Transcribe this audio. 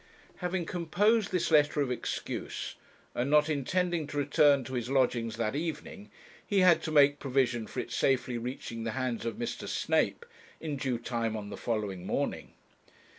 Having composed this letter of excuse, and not intending to return to his lodgings that evening, he had to make provision for its safely reaching the hands of Mr. Snape in due time on the following morning.